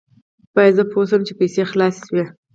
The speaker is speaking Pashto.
بیا زه پوه شوم چې پیسې خلاصې شوې.